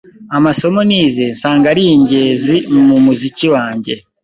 amasomo nize nsanga ari ingezi mu muziki wange